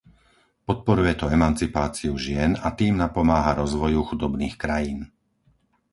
Podporuje to emancipáciu žien a tým napomáha rozvoju chudobných krajín.